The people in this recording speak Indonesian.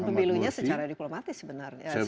dan pemilunya secara diplomatis sebenarnya